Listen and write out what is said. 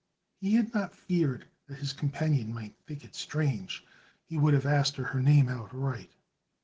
Had he not feared that his companion might think it strange, he would have asked her name outright.